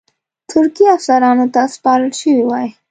ترکي افسرانو ته سپارل شوی وای.